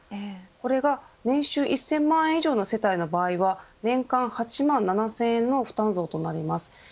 これが年収１０００万円以上の世帯の場合は年間８万７０００円の負担増となります。